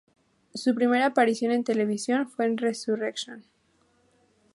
Su primera aparición en televisión fue en Resurrection.